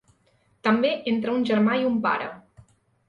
També entre un germà i un pare.